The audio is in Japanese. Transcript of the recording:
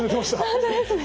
本当ですね。